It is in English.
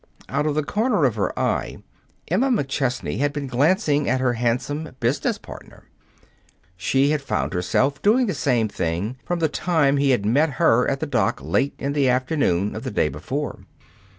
Out of the corner of her eye, Emma McChesney had been glancing at her handsome business partner. She had found herself doing the same thing from the time he had met her at the dock late in the afternoon of the day before.